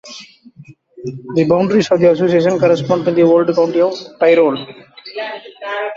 The boundaries of the association correspond to the old County of Tyrol.